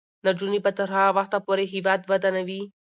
نجونې به تر هغه وخته پورې هیواد ودانوي.